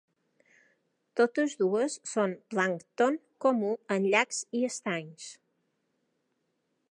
Totes dues són plàncton comú en llacs i estanys.